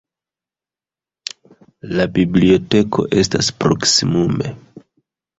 La biblioteko estas proksimume.